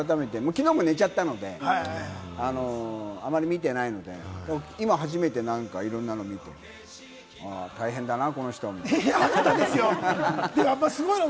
きのうも寝ちゃったので、あまり見てないので、今初めていろんなの見て、大変だな、この人、みたいな。